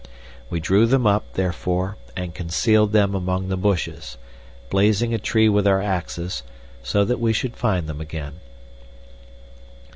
We drew them up, therefore, and concealed them among the bushes, blazing a tree with our axes, so that we should find them again.